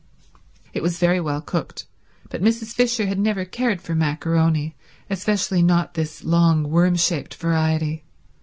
It was very well cooked, but Mrs. Fisher had never cared for maccaroni, especially not this long, worm shaped variety.